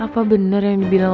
apa bener yang rolling